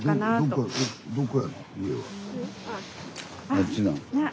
あっちなの。